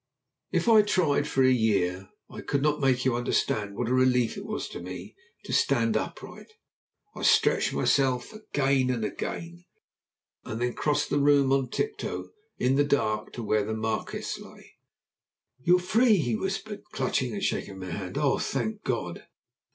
If I tried for a year I could not make you understand what a relief it was to me to stand upright. I stretched myself again and again, and then crossed the room on tip toe in the dark to where the Marquis lay. "You are free," he whispered, clutching and shaking my hand. "Oh, thank God!"